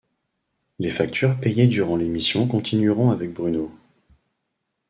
Les factures payées durant l'émission continueront avec Bruno.